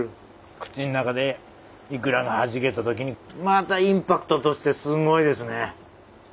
口ん中でイクラがはじけた時にまたインパクトとしてすごいですね。